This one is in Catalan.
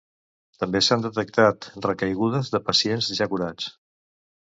També s'han detectat recaigudes de pacients ja curats.